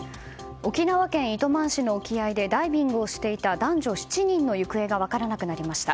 沖縄県糸満市の沖合でダイビングをしていた男女７人の行方が分からなくなりました。